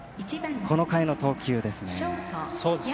この回の投球ですね。